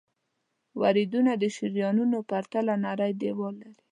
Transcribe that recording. وریدونه د شریانونو په پرتله نری دیوال لري.